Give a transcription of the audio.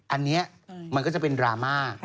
อันนี้มันก็จะเป็นดราม่า